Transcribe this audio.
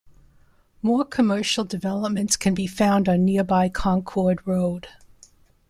More commercial developments can be found on nearby Concord Road.